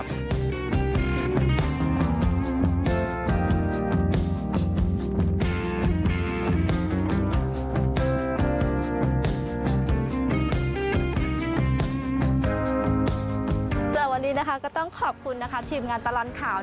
สำหรับวันนี้ก็ต้องขอบคุณทีมงานตลอดข่าว